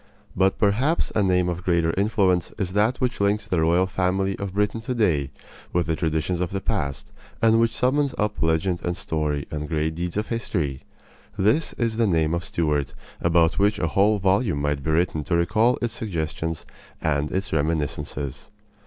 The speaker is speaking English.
But perhaps a name of greater influence is that which links the royal family of Britain today with the traditions of the past, and which summons up legend and story and great deeds of history. This is the name of Stuart, about which a whole volume might be written to recall its suggestions and its reminiscences.